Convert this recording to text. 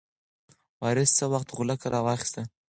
وارث څه وخت غولکه راواخیسته؟